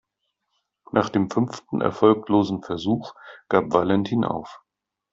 Nach dem fünften erfolglosen Versuch gab Valentin auf.